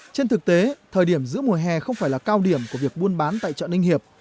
trên thực tế thời điểm giữa mùa hè không phải là cao điểm của việc buôn bán tại chợ ninh hiệp